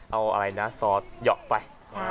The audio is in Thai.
แล้วก็เอาอะไรนะซอสหยอกไป